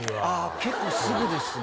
結構すぐですね。